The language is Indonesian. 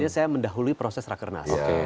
saya mendahului proses rakernas